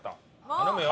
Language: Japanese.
頼むよ。